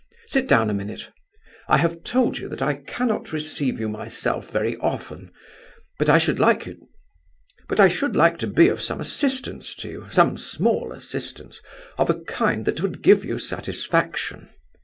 Sit down a minute. I have told you that I cannot receive you myself very often, but I should like to be of some assistance to you, some small assistance, of a kind that would give you satisfaction.